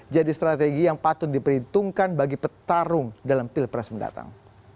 jadi strategi yang patut diperhitungkan bagi petarung dalam pilpres mendatang